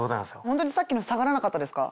ホントにさっきの下がらなかったですか？